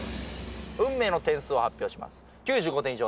運命の点数を発表します